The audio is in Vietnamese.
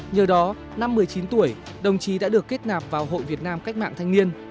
nhờ đó năm một mươi chín tuổi đồng chí đã được kết nạp vào hội việt nam cách mạng thanh niên